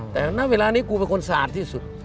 แต่ณเวลานี้กูเป็นคนสะอาดที่สุด